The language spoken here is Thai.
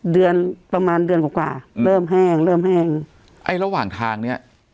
เดือนประมาณเดือนกว่ากว่าเริ่มแห้งเริ่มแห้งไอ้ระหว่างทางเนี้ย